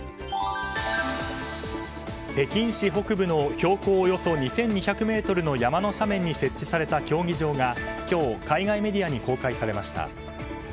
北京市北部の標高およそ２２０ｍの山の斜面に設置された競技場が今日、海外メディアに公開されました。